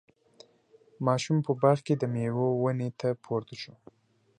ماشوم په باغ کې د میوو ونې ته پورته شو.